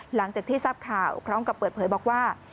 หลังจากที่ทราบข่าวพร้อมกับเปิดเผยบอกว่า